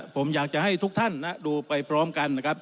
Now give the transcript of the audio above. ผมอยากจะให้ทุกท่านดูไปพร้อมกันนะครับ